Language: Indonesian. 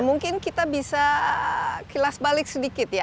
mungkin kita bisa kilas balik sedikit ya